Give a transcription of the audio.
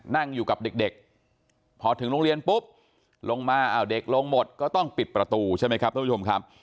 นั่งอยู่กับเด็กพอถึงโรงเรียนปุ๊บลงมาเด็กลงหมดก็ต้องปิดประตูใช่ไหมครับท่านผู้ชมครับ